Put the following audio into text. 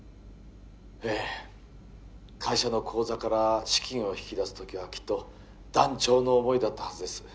ええ会社の口座から資金を引き出す時はきっと断腸の思いだったはずです